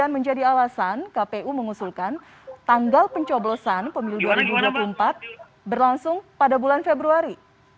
berlangsung pada bulan februari